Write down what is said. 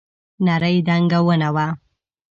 نرۍ دنګه ونه وه.